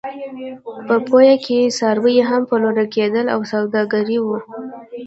په پېوه کې څاروي هم پلورل کېدل او سوداګري وه.